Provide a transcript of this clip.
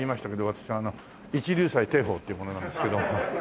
私あの一龍斎貞鳳っていう者なんですけど。